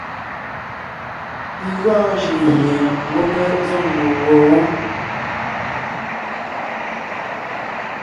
Pi gɔɔn jʉʼ gie ngwɔ́ mé zôŋ meguɔ wó.